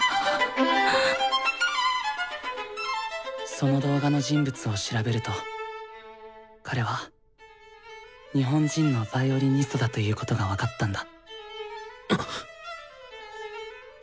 その動画の人物を調べると彼は日本人のヴァイオリニストだということが分かったんだ。